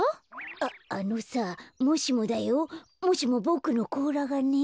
ああのさもしもだよもしもボクのこうらがね。